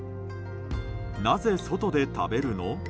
なぜ外で食べるの？